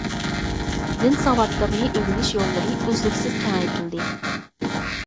دىن ساۋاتلىرىنى ئۆگىنىش يوللىرى ئۈزلۈكسىز كېڭەيتىلدى.